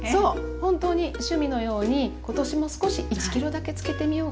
本当に趣味のように今年も少し１ｋｇだけ漬けてみようかな。